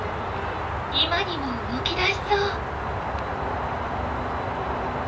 今にも動き出しそう。